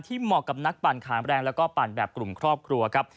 เหมาะกับนักปั่นขาแรงแล้วก็ปั่นแบบกลุ่มครอบครัวครับ